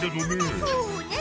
そうねえ。